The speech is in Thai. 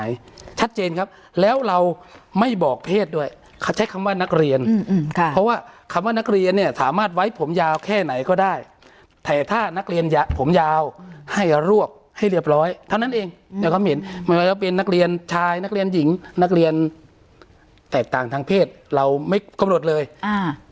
นักเรียนเนี้ยสามารถไว้ผมยาวแค่ไหนก็ได้แต่ถ้านักเรียนผมยาวให้รวกให้เรียบร้อยเท่านั้นเองเขาไม่เห็นมันก็เป็นนักเรียนชายนักเรียนหญิงนักเรียนแตกต่างทางเพศเราไม่กำหนดเลยอ่า